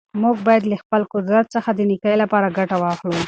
موږ باید له خپل قدرت څخه د نېکۍ لپاره ګټه واخلو.